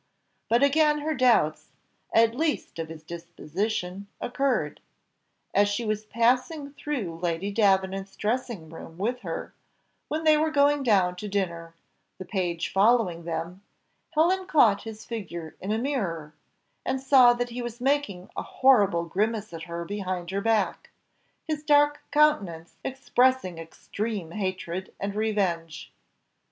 But again her doubts, at least of his disposition, occurred: as she was passing through Lady Davenant's dressing room with her, when they were going down to dinner, the page following them, Helen caught his figure in a mirror, and saw that he was making a horrible grimace at her behind her back, his dark countenance expressing extreme hatred and revenge.